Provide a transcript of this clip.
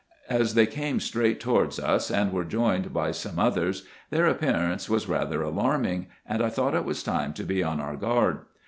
As they came straight towards us, and were joined by some others, their appearance was rather alarming, and I thought it was time to be on our guard.